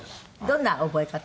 どんな覚え方？